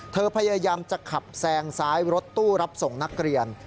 พยายามจะขับแซงซ้ายรถตู้รับส่งนักเรียน